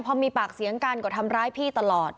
พอมีปากเสียงกันก็ทำร้ายพี่ตลอด